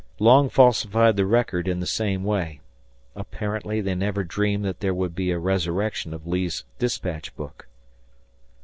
Long falsified the record in the same way. Apparently they never dreamed that there would be a resurrection of Lee's dispatch book.